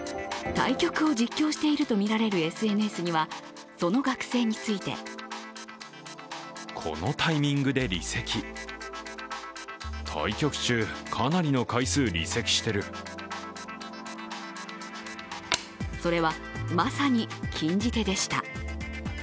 対局を実況しているとみられるＳＮＳには、その学生についてそれはまさに、禁じ手でした。